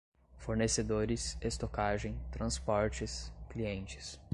fornecedores, estocagem, transportes, clientes